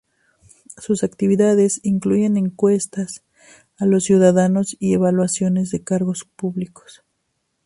Sus actividades incluyen encuestas a los ciudadanos y evaluaciones de cargos públicos.